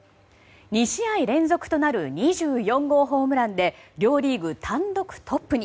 ２試合連続となる２４号ホームランで両リーグ単独トップに。